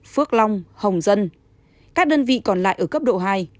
phước long hồng dân các đơn vị còn lại ở cấp độ hai